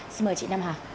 xin mời chị nam hà